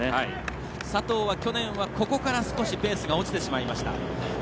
佐藤は去年はここから少しペースが落ちてしまいました。